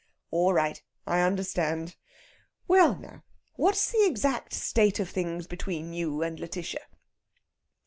"All right. I understand. Well, now, what's the exact state of things between you and Lætitia?"